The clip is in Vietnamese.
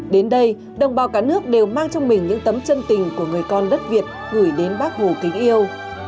đến đây đồng bào cả nước đều mang trong mình những tấm chân tình của người con đất việt gửi đến bác hồ kính yêu